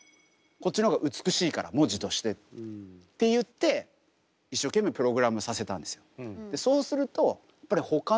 こっちの方が美しいから文字として。って言って一生懸命プログラムさせたんですよ。